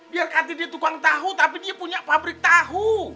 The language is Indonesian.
biarkan dia tukang tahu tapi dia punya pabrik tahu